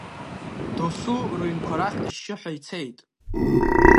Досу рыҩнқәа рахь ашьшьыҳәа ицеит.